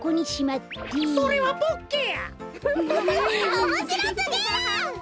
おもしろすぎる！